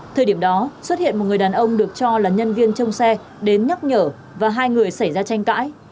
thời điểm đó xuất hiện một người đàn ông được cho là nhân viên trong xe đến nhắc nhở và hai người xảy ra tranh cãi